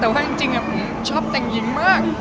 แต่ว่าจริงผมชอบแต่งหญิงมาก